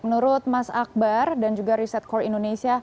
menurut mas akbar dan juga reset corps indonesia